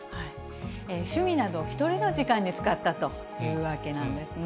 趣味など１人の時間に使ったというわけなんですね。